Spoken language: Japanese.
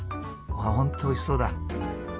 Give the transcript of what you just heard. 本当おいしそうだ。